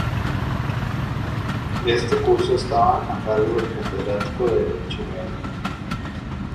Este curso estaba a cargo del catedrático de Derecho Real.